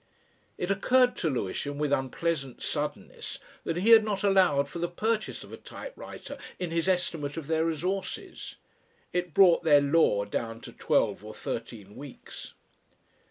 It occurred to Lewisham with unpleasant suddenness that he had not allowed for the purchase of a typewriter in his estimate of their resources. It brought their "law" down to twelve or thirteen weeks.